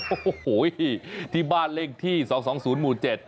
โอ้โหที่บ้านเลขที่๒๒๐หมู่๗